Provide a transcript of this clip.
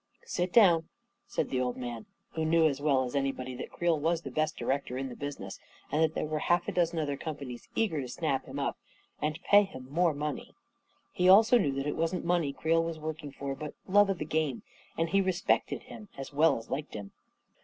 44 Sit down," said the old man, who knew as well as anybody that Creel was the best director in the business and that there were half a dozen other com panies eager to snap him up — and pay him more money. He also knew that it wasn't money Creel was working for, but love of the game, and he re spected him as well as liked him.